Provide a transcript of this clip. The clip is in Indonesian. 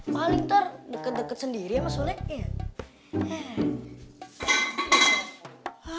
paling terdeket deket sendiri ya maksudnya